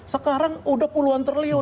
sekarang udah puluhan triliun